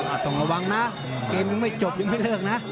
ต้องระวังนะเกมยังไม่จบยังไม่เลิกนะ